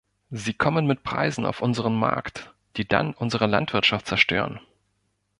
Sie kommen mit Preisen auf unseren Markt, die dann unsere Landwirtschaft zerstören.